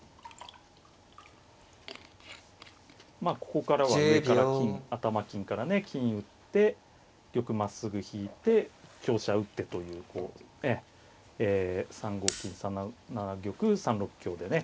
ここからは上から金頭金からね金打って玉まっすぐ引いて香車打ってというこうえええ３五金３七玉３六香でね